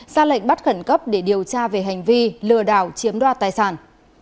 ra lệnh bắt khẩn cấp để điều tra về hành vi lừa đảo chiếm đoạt tài sản